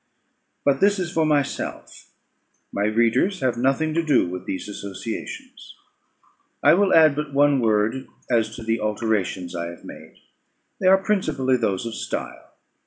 But this is for myself; my readers have nothing to do with these associations. I will add but one word as to the alterations I have made. They are principally those of style.